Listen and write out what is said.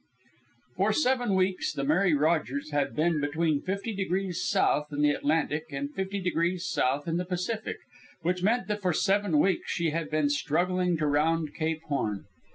For seven weeks the Mary Rogers had been between 50 degrees south in the Atlantic and 50 degrees south in the Pacific, which meant that for seven weeks she had been struggling to round Cape Horn.